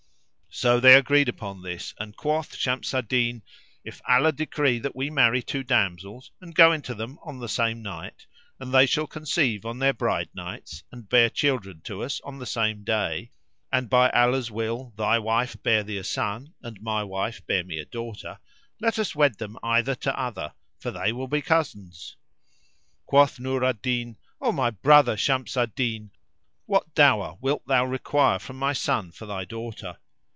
So they agreed upon this and quoth Shams al Din, "If Allah decree that we marry two damsels and go in to them on the same night, and they shall conceive on their bridenights and bear children to us on the same day, and by Allah's will thy wife bear thee a son and my wife bear me a daughter, let us wed them either to other, for they will be cousins." Quoth Nur al Din, "O my brother, Shams al Din, what dower [FN#365] wilt thou require from my son for thy daughter?"